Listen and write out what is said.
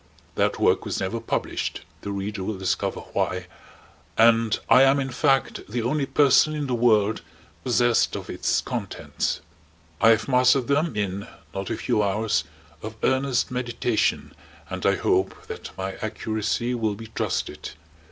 That work was never published the reader will discover why and I am in fact the only person in the world possessed of its contents. I have mastered them in not a few hours of earnest meditation, and I hope that my accuracy will be trusted.